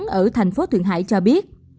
của thành phố thượng hải cho biết